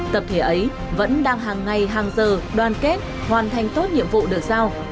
tập thể ấy vẫn đang hàng ngày hàng giờ đoàn kết hoàn thành tốt nhiệm vụ được giao